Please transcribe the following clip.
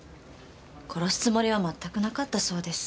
殺すつもりは全くなかったそうです。